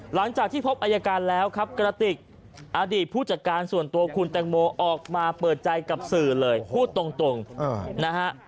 หลังจากที่พบอายการแล้วครับกระติกอดีตผู้จัดการส่วนตัวคุณแตงโมออกมาเปิดใจกับสื่อเลยพูดตรงนะฮะ